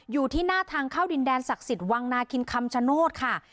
อยู่ที่หน้าทางเข้าดินแดนศักดิ์สิทธิ์วังนาคินคำชโนธค่ะ